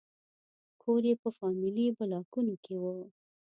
کور یې په فامیلي بلاکونو کې و.